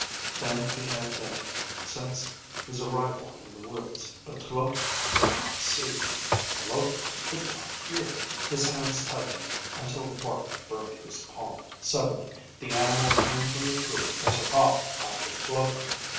_) than he had been since his arrival in the woods. But Tloto could not see. Tloto could not hear. His hands tightened until the bark burned his palm. Suddenly the animal turned from the tree and took off after Tloto.